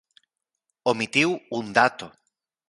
Omitiu un dato.